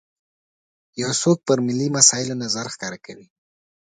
یو څوک پر ملي مسایلو نظر ښکاره کوي.